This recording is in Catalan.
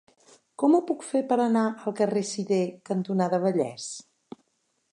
Com ho puc fer per anar al carrer Sidé cantonada Vallès?